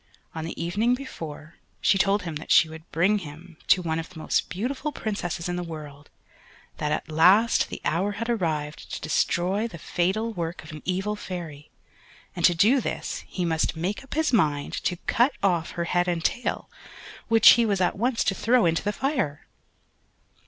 On the evening before, she told him that she would bring him to one of the most beautiful Princesses in the world, that at last the hour had arrived to destroy the fatal work of an evil fairy, and to do this he must make up his mind to cut off her head and tail, which he was at once to throw into the fire.